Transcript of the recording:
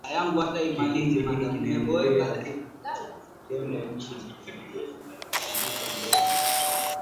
Kikundi hiki kinaendelea kutenda nchini Uturuki leo